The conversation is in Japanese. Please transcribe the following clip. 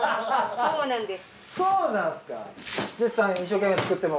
そうなんです